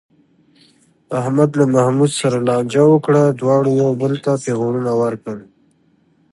احمد له محمود سره لانجه وکړه، دواړو یو بل ته پېغورونه ورکړل.